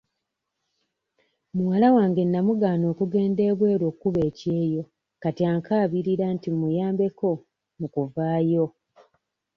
Muwala wange namugaana okugenda ebweru okkuba ekyeyo kati ankaabira nti mmuyambeko mu kuvaayo.